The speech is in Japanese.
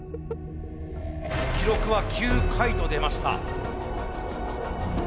記録は９回と出ました。